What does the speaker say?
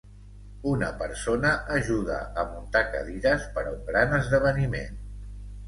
Una persona ajuda a muntar cadires per a un gran esdeveniment.